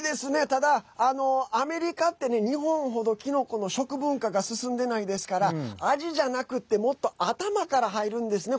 ただ、アメリカってね日本程、キノコの食文化が進んでないですから味じゃなくてもっと頭から入るんですね。